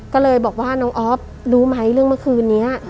ก็เลยบอกว่าน้องออฟรู้ไหมเรื่องเมื่อคืนนี้